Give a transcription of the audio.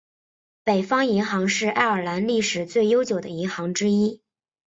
北方银行是爱尔兰历史最悠久的银行之一。